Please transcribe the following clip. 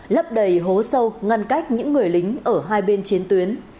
lấp đầy hố sâu ngăn cách những người lính ở hai bên chiến tuyến